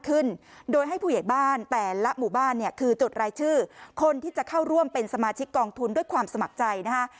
ขึ้นโดยให้ผู้ใหญ่บ้านแต่ละหมู่บ้านเนี่ยคือจดรายชื่อคนที่จะเข้าร่วมเป็นสมาชิกกองทุนด้วยความสมัครใจนะคะ